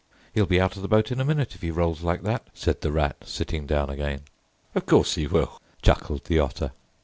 "He'll be out of the boat in a minute if he rolls like that," said the Rat, sitting down again. "Of course he will," chuckled the Otter.